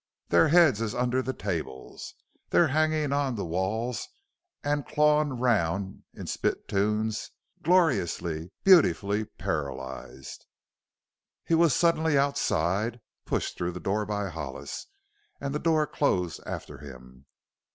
Their heads is under the tables; they're hangin' on the walls an' clawin' around in spittoons gle or i ously, be ut i fully paralyzed!" He was suddenly outside, pushed through the door by Hollis, and the door closed after him.